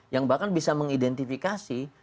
yang bahkan bisa mengidentifikasi